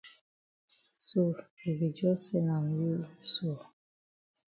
So you be jus sen am you so.